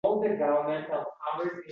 Bozor-o’char qilib hech qachon tolmang.